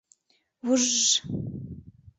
— Ву-ужж!